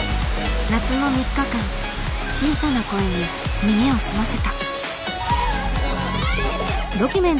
夏の３日間小さな声に耳を澄ませた。